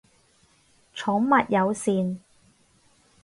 寵物友善